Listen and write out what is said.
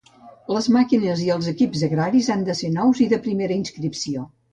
Les màquines i els equips agraris han de ser nous i de primera inscripció.